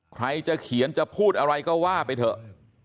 ใครจะเขียนจะพูดอะไรก็ว่าไปเถอะ